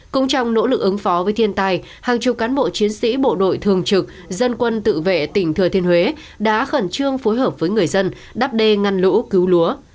cũng trong nỗ lực ứng phó với thiên tài hàng chục cán bộ chiến sĩ bộ đội thường trực dân quân tự vệ tỉnh thừa thiên huế đã khẩn trương phối hợp với người dân đắp đê ngăn lũ cứu lúa